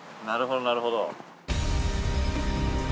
なるほどなるほど。